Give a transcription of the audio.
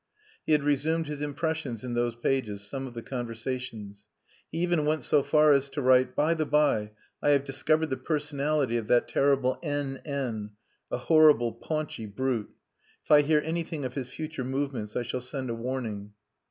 He had resumed his impressions in those pages, some of the conversations. He even went so far as to write: "By the by, I have discovered the personality of that terrible N.N. A horrible, paunchy brute. If I hear anything of his future movements I shall send a warning."